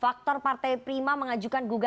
faktor partai prima mengajukan gugatan